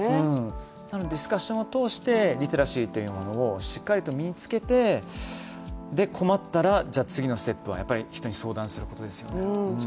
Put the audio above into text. なのでディスカッションを通して、リテラシーというものをしっかりと身につけて困ったら次のステップはやっぱり人に相談することですよね。